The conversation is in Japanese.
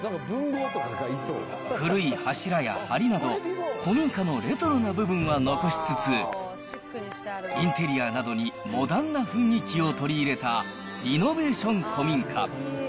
古い柱やはりなど、古民家のレトロな部分は残しつつ、インテリアなどにモダンな雰囲気を取り入れた、リノベーション古民家。